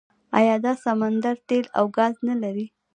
آیا دا سمندر تیل او ګاز نلري؟